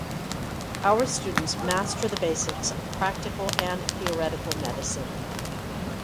Our students master the basics of practical and theoretical medicine.